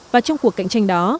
và trong cuộc cạnh tranh đó